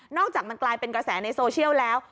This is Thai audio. อกจากมันกลายเป็นกระแสในโซเชียลแล้ว